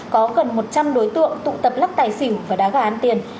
có gần một trăm linh đối tượng tụ tập lắc tài xỉu và đá gà ăn tiền